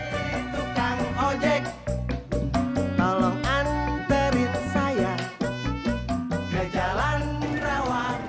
ojek tolong anterin saya ke jalan rawang b